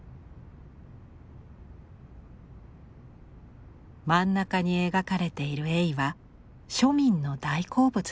真ん中に描かれているエイは庶民の大好物でした。